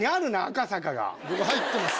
僕入ってます？